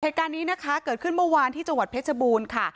เหตุการณ์นี้นะคะเกิดขึ้นเมื่อวานที่จังหวัดเพชรบูรณ์ค่ะ